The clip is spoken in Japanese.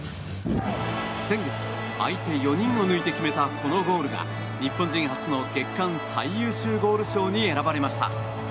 先月、相手４人を抜いて決めたこのゴールが日本人初の月間最優秀ゴール賞に選ばれました。